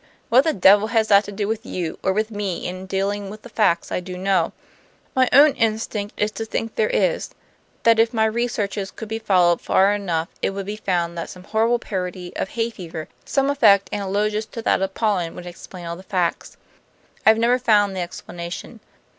What the devil has that to do with you, or with me in dealing with the facts I do know? My own instinct is to think there is; that if my researches could be followed far enough it would be found that some horrible parody of hay fever, some effect analogous to that of pollen, would explain all the facts. I have never found the explanation.